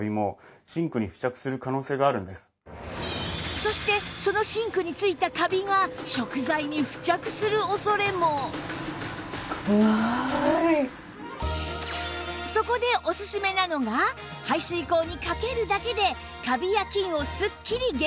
そしてそのそこでおすすめなのが排水口にかけるだけでカビや菌をすっきり撃退！